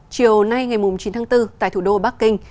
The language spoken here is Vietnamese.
chiều nay ngày chín tháng bốn tại thủ đô bắc kinh